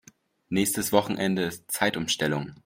Nächstes Wochenende ist Zeitumstellung.